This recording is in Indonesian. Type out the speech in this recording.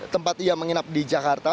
tempat ia menginap di jakarta